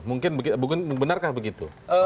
mungkin benarkah begitu